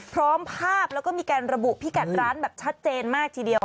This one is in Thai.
พร้อมภาพแล้วก็มีการระบุพิกัดร้านแบบชัดเจนมากทีเดียว